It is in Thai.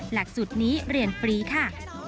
หลักสูตรนี้เรียนฟรีค่ะ